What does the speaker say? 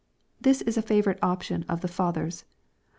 This is a favorite opinion of the fathers.